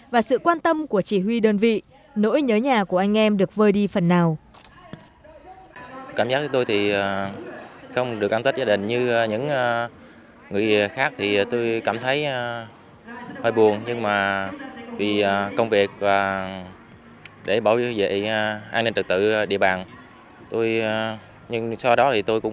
và sự quan tâm của chỉ huy đơn vị nỗi nhớ nhà của anh em được vơi đi phần nào